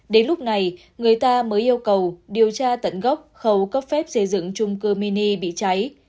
đến lúc này người ta mới yêu cầu điều tra tận gốc khâu cấp phép xây dựng trung cư mini bị cháy